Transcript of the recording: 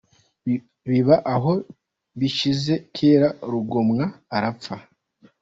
Biba aho bishyize kera Rugomwa arapfa.